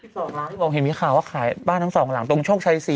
สองล้านที่บอกเห็นมีข่าวว่าขายบ้านทั้งสองหลังตรงโชคชัยสี่